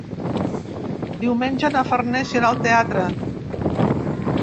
Diumenge na Farners irà al teatre.